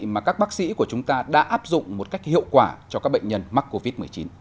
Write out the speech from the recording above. mà các bác sĩ của chúng ta đã áp dụng một cách hiệu quả cho các bệnh nhân mắc covid một mươi chín